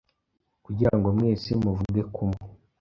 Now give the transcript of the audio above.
kugira ngo mwese muvuge kumwe;